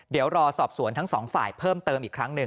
เดี๋ยวรอสอบสวนทั้งสองฝ่ายเพิ่มเติมอีกครั้งหนึ่ง